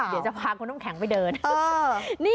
เดี๋ยวจะพาคุณน้ำแข็งไปเดิน